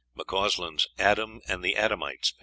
(McCausland's "Adam and the Adamites," p.